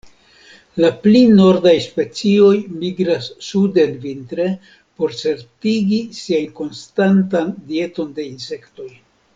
La pli nordaj specioj migras suden vintre, por certigi siajn konstantan dieton de insektoj.